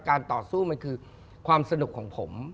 ต่อสู้มันคือความสนุกของผม